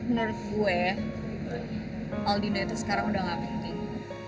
menurut gue aldina itu sekarang udah gak penting